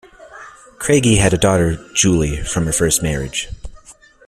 Craigie had a daughter, Julie, from her first marriage.